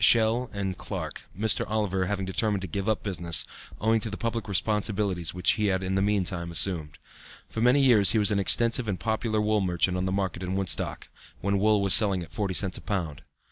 Schell and Clarke, Mr. Oliver having determined to give up business, owing to the public responsibilities which he had in the meantime assumed. For many years he was an extensive and popular wool merchant on the market in Woodstock, when wool was selling at forty cents a pound.